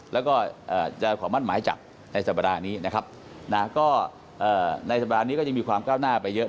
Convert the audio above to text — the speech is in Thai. แล้วก็จะขอมั่นหมายจับในสัปดาห์นี้นะครับนะก็ในสัปดาห์นี้ก็ยังมีความก้าวหน้าไปเยอะ